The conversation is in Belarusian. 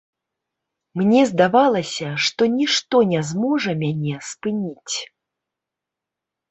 Мне здавалася, што нішто не зможа мяне спыніць.